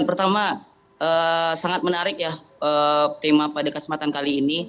pertama sangat menarik ya tema pada kesempatan kali ini